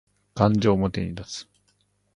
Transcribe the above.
感情を表に出す